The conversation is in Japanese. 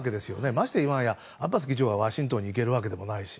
まして、今やアッバス議長がワシントンの行けるわけでもないし。